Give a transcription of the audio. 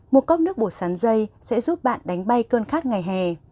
một cốc nước bột sắn dây sẽ giúp bạn đánh bay cơn khát ngày hè